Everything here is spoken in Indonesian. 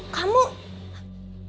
kamu bukannya ada di dapur